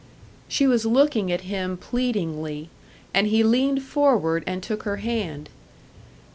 She was looking at him pleadingly; and he leaned forward and took her hand.